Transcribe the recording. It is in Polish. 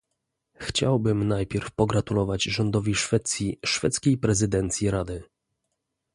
Chciałbym najpierw pogratulować rządowi Szwecji szwedzkiej prezydencji Rady